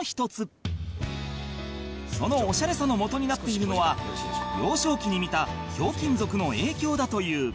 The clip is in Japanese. そのおしゃれさのもとになっているのは幼少期に見た『ひょうきん族』の影響だという